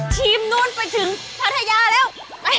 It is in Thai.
ทีมนู้นไปถึงพัทยาเร็วไป